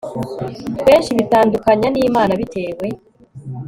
Benshi bitandukanya nImana bitewe